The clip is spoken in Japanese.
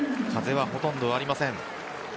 風はほとんどありません。